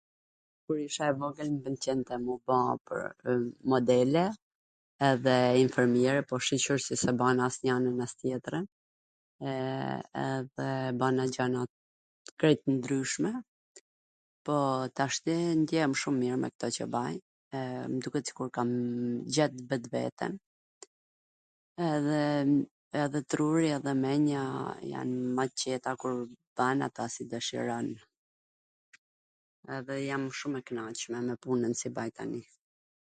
Kur isha e vogwl m pwlqente m u ba modele edhe infermiere, po shuqur qw s u bana asnjana as tjetra edhe bana gjana krejt ndryshme, po tashti ndjehem shum mir me kto qw baj, e m duket sikur kam gjet vetveten, edhe edhe truri edhe men-ja jan ma t qeta kur ban ata si dwshiron, edhe jam shum e knaqme me punwn si baj tani...